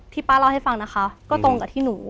ป้าเล่าให้ฟังนะคะก็ตรงกับที่หนู